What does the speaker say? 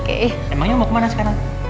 emangnya mau kemana sekarang